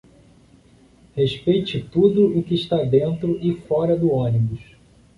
Respeite tudo o que está dentro e fora do ônibus.